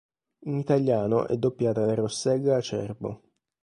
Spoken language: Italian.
In italiano è doppiata da Rossella Acerbo.